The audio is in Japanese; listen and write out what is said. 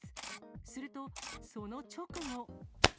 すると、その直後。